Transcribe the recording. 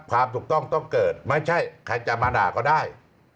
ความถูกต้องต้องเกิดไม่ใช่ใครจะมาด่าก็ได้